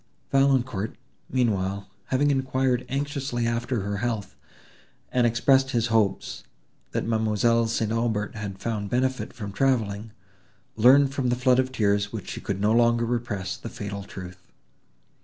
Valancourt, meanwhile, having enquired anxiously after her health, and expressed his hopes, that M. St. Aubert had found benefit from travelling, learned from the flood of tears, which she could no longer repress, the fatal truth.